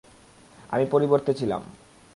আমি পরিবর্তে ছিলাম।